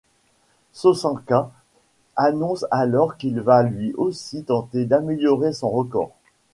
Sosenka annonce alors qu'il va lui aussi tenter d'améliorer son record.